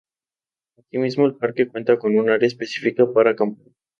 Asimismo, el parque cuenta con un área específica para acampar.